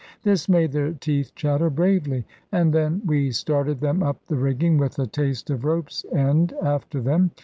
This made their teeth chatter bravely, and then we started them up the rigging, with a taste of rope's end after them.